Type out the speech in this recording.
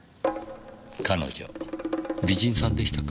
彼女美人さんでしたか？